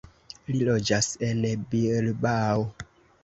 Li loĝas en Bilbao.